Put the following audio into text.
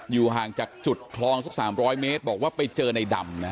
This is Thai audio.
ห่างจากจุดคลองสัก๓๐๐เมตรบอกว่าไปเจอในดำนะฮะ